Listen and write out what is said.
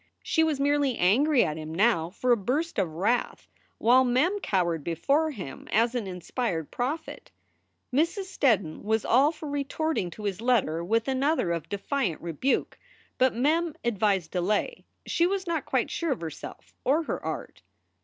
She was merely angry at him now for a burst of wrath, while Mem cowered before him as an inspired prophet. Mrs. Steddon was all for retorting to his letter with another SOULS FOR SALE 245 of defiant rebuke. But Mem advised delay. She was not quite sure of herself or her art.